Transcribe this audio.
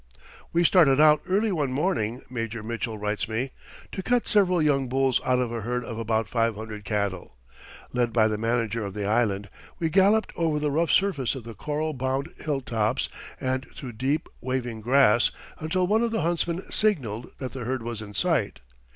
"We started out early one morning," Major Mitchell writes me, "to cut several young bulls out of a herd of about five hundred cattle. Led by the manager of the island, we galloped over the rough surface of the coral bound hilltops and through deep, waving grass until one of the huntsmen signaled that the herd was in sight.